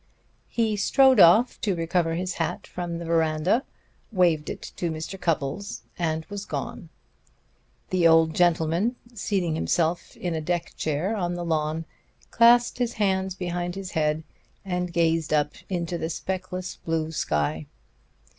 He strode off to recover his hat from the veranda, waved it to Mr. Cupples, and was gone. The old gentleman, seating himself in a deck chair on the lawn, clasped his hands behind his head and gazed up into the speckless blue sky.